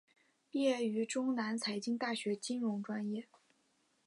毕业于中南财经大学金融专业。